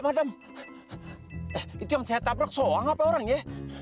madem itu yang saya tabrak soal apa orangnya